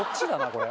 これ。